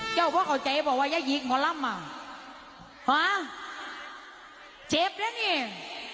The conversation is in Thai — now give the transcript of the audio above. เจ้าพ่อเขาใจบอกว่าอย่ายีกมอลลำอ่ะหวะเจ็บแล้วเนี่ย